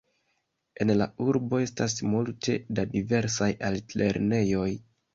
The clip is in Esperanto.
En la urbo estas multe da diversaj altlernejoj.